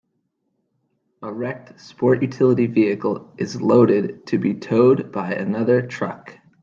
A wrecked sport utility vehicle is loaded to be towed by another truck.